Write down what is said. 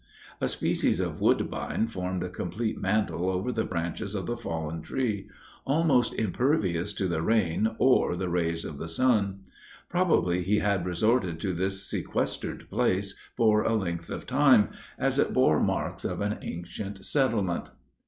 A species of woodbine formed a complete mantle over the branches of the fallen tree, almost impervious to the rain or the rays of the sun. Probably he had resorted to this sequestered place for a length of time, as it bore marks of an ancient settlement.